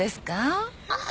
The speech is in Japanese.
ああ。